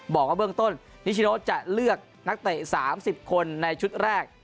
บอกว่าเบื้องต้นนิชโนจะเลือกนักเตะ๓๐คนในชุดแรก